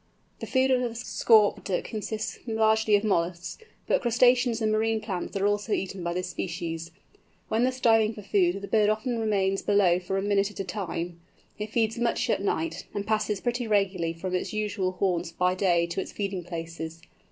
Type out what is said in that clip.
The food of the Scaup Duck consists largely of molluscs, but crustaceans and marine plants are also eaten by this species. When thus diving for food, the bird often remains below for a minute at a time. It feeds much at night, and passes pretty regularly from its usual haunts by day to its feeding places.